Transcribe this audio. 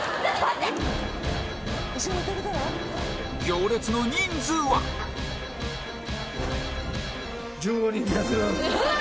行列の人数は１５人ですうわ！